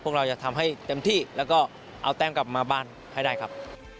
พวกเราจะทำให้เต็มที่แล้วก็เอาแต้มกลับมาบ้านให้ได้ครับ